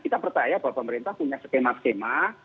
kita percaya bahwa pemerintah punya skema skema